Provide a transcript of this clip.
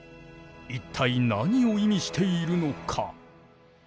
一体何を意味しているのか？